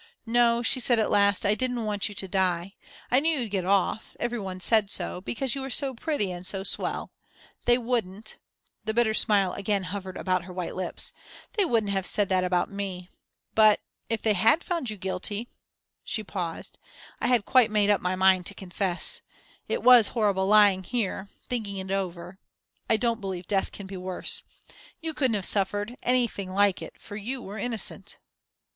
"No," she said at last, "I didn't want you to die. I knew you'd get off every one said so because you were so pretty and so swell. They wouldn't" the bitter smile again hovered about her white lips "they wouldn't have said that about me. But if they had found you guilty" she paused "I had quite made up my mind to confess. It was horrible lying here, thinking it over I don't believe death can be worse. You couldn't have suffered anything like it; for you were innocent."